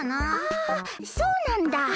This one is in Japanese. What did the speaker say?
あそうなんだ。